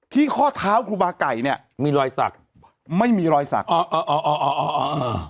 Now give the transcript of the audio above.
ที่ข้อเท้าครูบาไก่เนี้ยมีรอยสักไม่มีรอยสักเออเออเออเออเออ